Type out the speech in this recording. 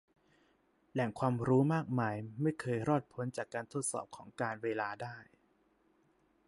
แหล่งความรู้มากมายไม่เคยรอดพ้นจากการทดสอบของการเวลาได้